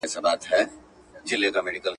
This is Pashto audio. نجلۍ پر سر دي منګی مات سه.